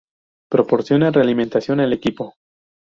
Proporciona realimentación al equipo.